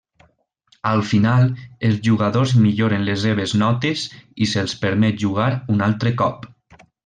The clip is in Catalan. Al final, els jugadors milloren les seves notes i se'ls permet jugar un altre cop.